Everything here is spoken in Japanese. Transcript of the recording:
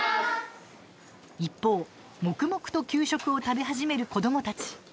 一方、黙々と給食を食べ始める子どもたち。